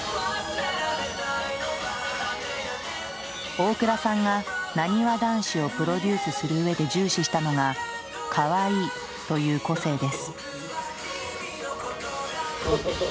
大倉さんがなにわ男子をプロデュースする上で重視したのが「かわいい」という個性です。